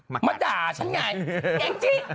มาด่าฉันไงแอ๊ะจิ๊ก